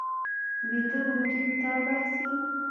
ویده وجود سا باسي